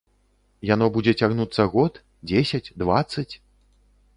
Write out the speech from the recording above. Яно будзе цягнуцца год, дзесяць, дваццаць?